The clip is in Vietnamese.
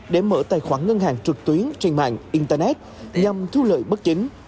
để mở tài khoản ngân hàng trực tuyến trên mạng internet nhằm thu lợi bất chính